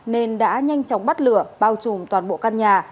nên đã nhanh chóng bắt lửa bao trùm toàn bộ căn nhà